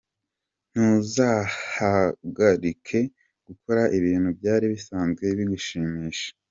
Ntuzahagarike gukora ibintu byari bisanzwe bigushimisha.